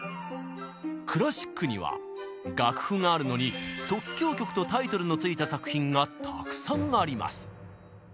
クラシックには楽譜があるのに「即興曲」とタイトルのついた作品がたくさんあります。